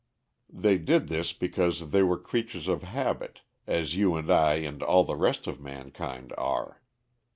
This they did because they were creatures of habit, as you and I and all the rest of mankind are.